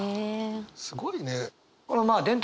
すごいね。